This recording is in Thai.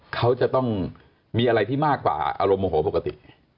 เขาจะต้องมีอะไรที่มากกว่าอารมณ์โมโหปกติ